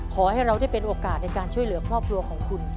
ขอให้เราได้เป็นโอกาสในการช่วยเหลือครอบครัวของคุณ